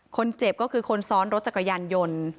คนเจ็บก็คือคนซ้อนรถจักรยานยนต์